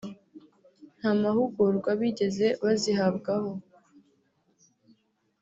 nta mahugurwa bigeze bazihabwaho